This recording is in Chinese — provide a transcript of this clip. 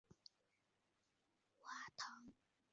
瓦唐下梅内特雷奥勒人口变化图示